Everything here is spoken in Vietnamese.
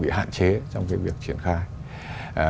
bị hạn chế trong việc triển khai